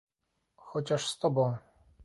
"Chociaż z tobą!..."